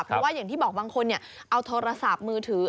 เพราะว่าอย่างที่บอกบางคนเอาโทรศัพท์มือถือ